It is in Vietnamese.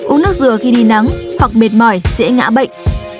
uống nước dừa khi đi nắng hoặc mệt mỏi dễ ngã bệnh